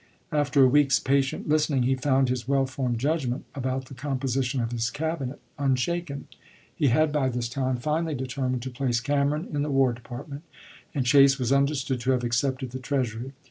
After a week's patient listening he found his well formed judgment about the composition of his Cabinet unshaken. He had by this time finally determined to place Cameron in the War Depart ment, arid Chase was understood to have accepted the Treasury.